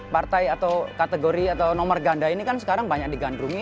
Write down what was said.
partai atau kategori atau nomor ganda ini kan sekarang banyak digandrungi